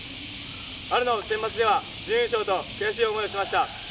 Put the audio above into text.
春のセンバツでは準優勝と悔しい思いをしました。